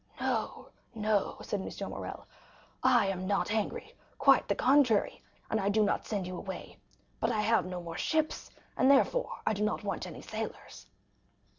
"No, no," said M. Morrel, "I am not angry, quite the contrary, and I do not send you away; but I have no more ships, and therefore I do not want any sailors."